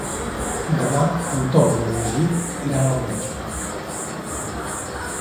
Demà en Tom i en Magí iran al metge.